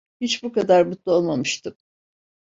Hiç bu kadar mutlu olmamıştım.